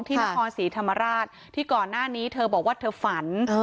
ที่นครศรีธรรมราชที่ก่อนหน้านี้เธอบอกว่าเธอฝัน